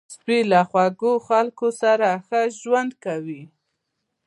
سپي له خوږو خلکو سره ښه ژوند کوي.